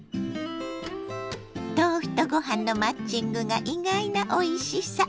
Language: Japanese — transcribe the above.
豆腐とご飯のマッチングが意外なおいしさ。